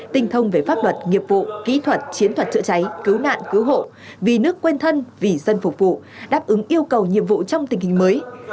tinh thông về pháp luật nghiệp vụ kỹ thuật chiến thuật chữa cháy cứu nạn cứu hộ vì nước quên thân vì dân phục vụ đáp ứng yêu cầu nhiệm vụ trong tình hình mới